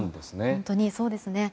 本当にそうですね。